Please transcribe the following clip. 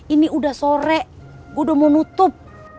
ini udah sore udah mau nutup